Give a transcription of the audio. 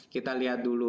kita lihat dulu